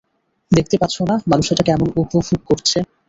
দেখতে পাচ্ছো না, মানুষ এটা কেমন উপভোগ করছে?